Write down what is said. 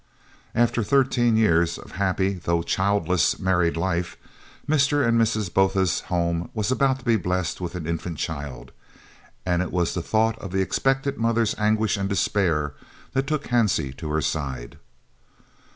After thirteen years of happy, though childless married life, Mr. and Mrs. Botha's home was about to be blessed with an infant child, and it was the thought of the expectant mother's anguish and despair that took Hansie to her side.